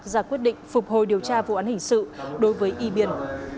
ra quyết định phục hồi điều tra vụ án hình sự đối với ibn